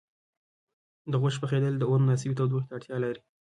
د غوښې پخېدل د اور مناسبې تودوخې ته اړتیا لري.